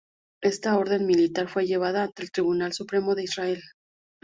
Esta orden militar fue llevada ante el Tribunal Supremo de Israel.